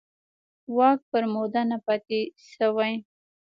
واک پر موده نه پاتې شوي.